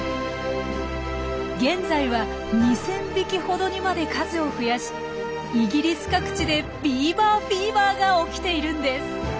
現在は２，０００匹ほどにまで数を増やしイギリス各地でビーバーフィーバーが起きているんです！